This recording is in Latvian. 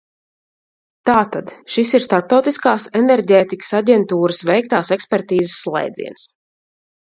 Tātad šis ir Starptautiskās enerģētikas aģentūras veiktās ekspertīzes slēdziens.